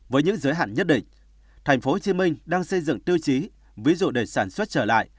với những giới hạn nhất định tp hcm đang xây dựng tiêu chí ví dụ để sản xuất trở lại